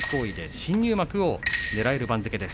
新入幕をねらえる番付です。